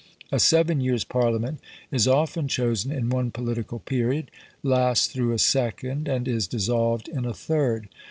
A seven years' Parliament is often chosen in one political period, lasts through a second, and is dissolved in a third.